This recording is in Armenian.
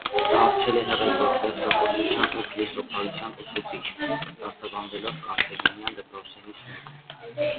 Դարձել է հռետոր, պերճախոսության ու փիլիսոփայության ուսուցիչ՝ դասավանդելով կարթագենյան դպրոցներից մեկում։